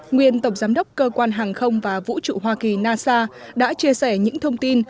nguyên tổng giám đốc cơ quan hàng không và vũ trụ hoa kỳ nasa đã chia sẻ những thông tin